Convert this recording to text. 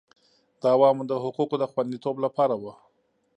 د عوامو د حقوقو د خوندیتوب لپاره وه